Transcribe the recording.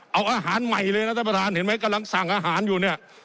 เอาอาหารใหม่เลยนะท่านประธานเห็นไหมกำลังสั่งอาหารอยู่เนี่ย